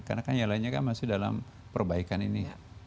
karena kan yang lainnya kan masih dalam perbaikan ini